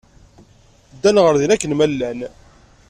Ddan ɣer din akken ma llan.